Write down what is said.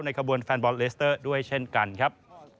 ขบวนแฟนบอลเลสเตอร์ด้วยเช่นกันครับ